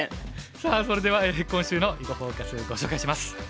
さあそれでは今週の「囲碁フォーカス」ご紹介します。